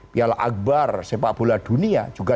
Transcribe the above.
piala akbar sepak bola dunia juga